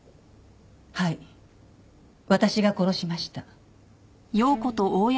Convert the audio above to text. はい私が殺しました。